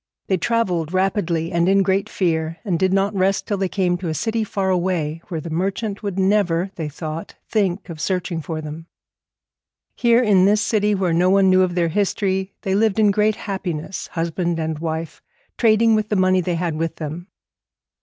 They travelled rapidly and in great fear, and did not rest till they came to a city far away where the merchant would never, they thought, think of searching for them. Here, in this city where no one knew of their history, they lived in great happiness, husband and wife, trading with the money they had with them.